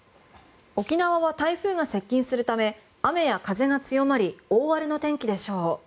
沖縄は台風が接近するため雨や風が強まり大荒れの天気でしょう。